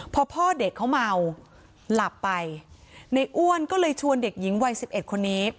พอพ่อเด็กเขาเมาหลับไปในอ้วนก็เลยชวนเด็กหญิงวัยสิบเอ็ดคนนี้